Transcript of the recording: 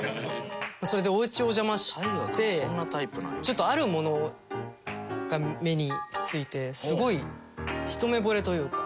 それでおうちお邪魔してちょっとある物が目についてすごいひと目ぼれというか。